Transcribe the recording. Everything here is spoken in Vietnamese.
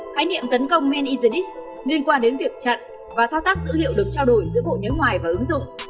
khái niệm tấn công man in the dist liên quan đến việc chặn và thao tác dữ liệu được trao đổi giữa bộ nhớ ngoài và ứng dụng